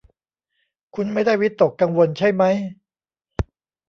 คุณไม่ได้วิตกกังวลใช่มั้ย